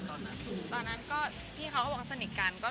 ใช่ค่ะให้หลายคลิปเขาตัดแล้วก็เขาถ่ายหมดเลย